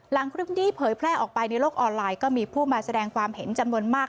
หลังคลิปนี้เผยแพร่ออกไปในโลกออนไลน์ก็มีผู้มาแสดงความเห็นจำนวนมาก